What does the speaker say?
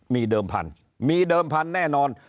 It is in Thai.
มีเดิมพันธุ์มีเดิมพันธุ์แน่นอน